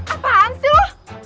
apaan sih lu